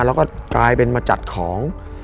แล้วก็กลายเป็นมาจัดของ